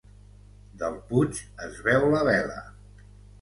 Del Puig es veu la vela.